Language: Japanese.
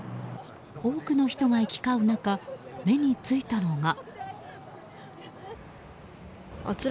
多くの人が行き交う中目についたのが。